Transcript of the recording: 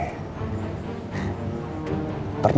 dan hari ini